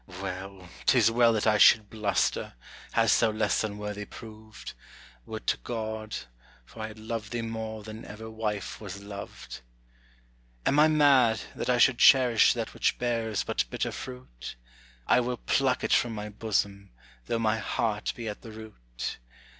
Well 't is well that I should bluster! Hadst thou less unworthy proved, Would to God for I had loved thee more than ever wife was loved. Am I mad, that I should cherish that which bears but bitter fruit? I will pluck it from my bosom, though my heart be at the root.